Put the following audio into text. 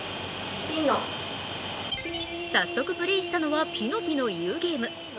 早速プレイしたのは「ピノピノ言うゲーム」。